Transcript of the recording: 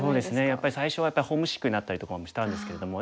やっぱり最初はホームシックになったりとかもしたんですけれども。